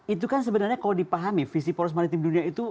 itu kan sebenarnya kalau dipahami visi poros maritim dunia itu